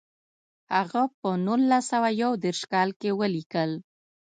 هغه په نولس سوه یو دېرش کال کې ولیکل.